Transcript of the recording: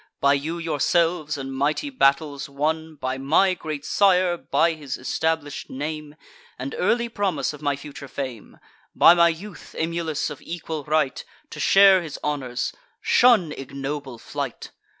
By you yourselves, and mighty battles won, By my great sire, by his establish'd name, And early promise of my future fame; By my youth, emulous of equal right To share his honours—shun ignoble flight!